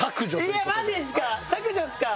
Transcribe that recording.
いやマジですか？